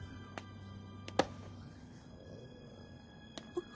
あっ。